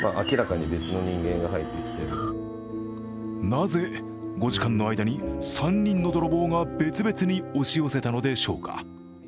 なぜ５時間の間に３人の泥棒が別々に押し寄せたのでしょうか。